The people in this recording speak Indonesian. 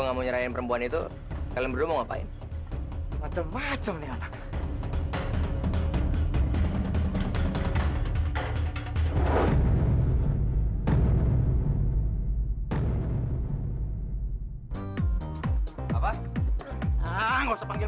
nggak mau nyerahin perempuan itu kalian berdua mau ngapain macam macam nih anak